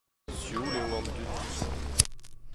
Sioul eo an dud.